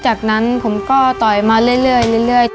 จากนั้นผมก็ต่อยมาเรื่อย